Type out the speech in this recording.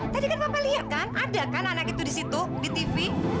tadi kan bapak lihat kan ada kan anak itu di situ di tv